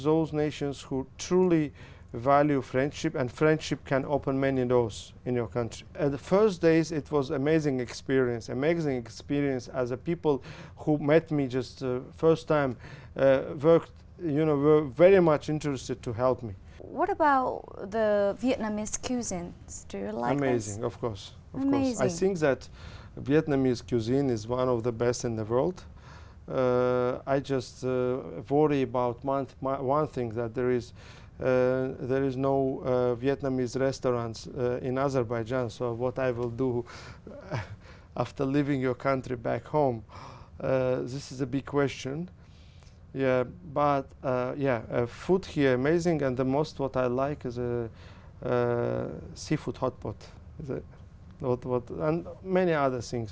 anh có những câu chuyện tuyệt vời nào mà anh muốn chia sẻ với khán giả của chúng tôi không